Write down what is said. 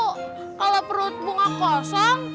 kalo perut bunga kosong